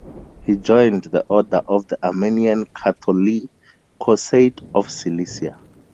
He joined the order of the Armenian Catholicosate of Cilicia.